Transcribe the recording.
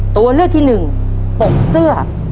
ตัวเลือกที่หนึ่งผมเสื้อ